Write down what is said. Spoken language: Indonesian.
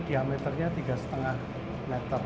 diameternya tiga lima meter